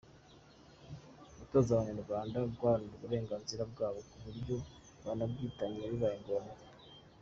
– Gutoza Abanyarwanda guharanira uburenganzira bwabo ku buryo banabwitangira bibaye ngombwa